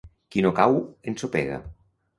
Qui no cau, ensopega.